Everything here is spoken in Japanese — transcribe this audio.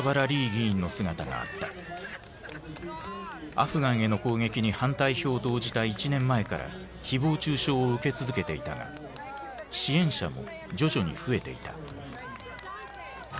アフガンへの攻撃に反対票を投じた１年前から誹謗中傷を受け続けていたが支援者も徐々に増えていた。